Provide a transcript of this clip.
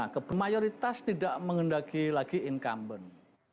jadi elektabilitas tidak mengendaki lagi incumbent